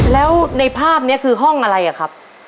แล้วในภาพนี้คือห้องอะไรอะครับ